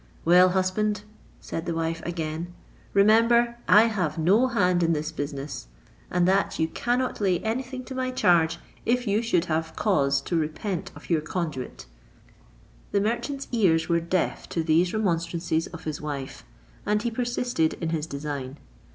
"Well, husband," said the wife again, "remember I have no hand in this business; and that you cannot lay any thing to my charge, if you should have cause to repent of your conduit." The merchant's ears were deaf to these remonstrances of his wife, and he persisted in his design.